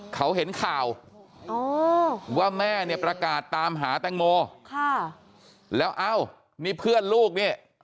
เขาเห็นข่าวว่าแม่เนี่ยประกาศตามหาแตงโมค่ะแล้วเอ้านี่เพื่อนลูกนี่